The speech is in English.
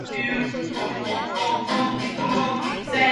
He was also a punt returner.